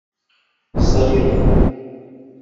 Ẓẓay i reffu!